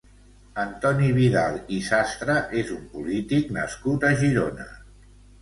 Antoni Vidal i Sastre és un polític nascut a Girona.